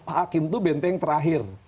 hakim itu benteng terakhir